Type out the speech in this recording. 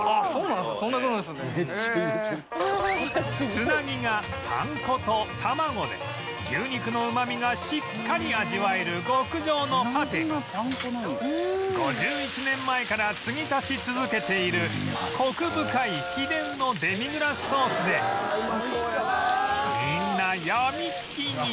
つなぎがパン粉と卵で牛肉のうまみがしっかり味わえる極上のパテに５１年前から継ぎ足し続けているコク深い秘伝のデミグラスソースでみんなやみつきに